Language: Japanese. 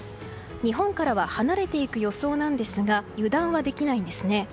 日本からは離れていく予想なんですが油断はできないんですね。